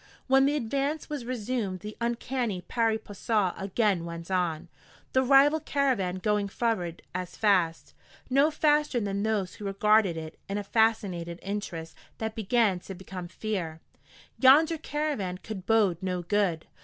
When the advance was resumed the uncanny pari passu again went on, the rival caravan going forward as fast, no faster than those who regarded it in a fascinated interest that began to become fear. Yonder caravan could bode no good.